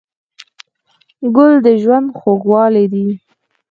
ګل د ژوند خوږوالی دی.